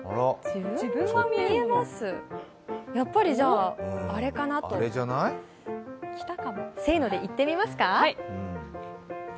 やっぱりじゃあ、あれかなとせーので言ってみますか。